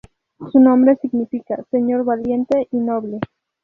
Su nombre significa "señor valiente y noble".